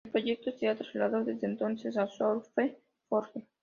El proyecto se ha trasladado desde entonces a "SourceForge".